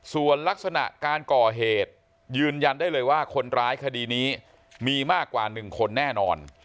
ส่วนลักษณะการก่อเหตุยืนยันได้เลยว่าคนร้ายคดีนี้มีมากกว่า๑คนแน่นอน